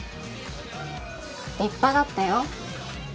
立派だったよ。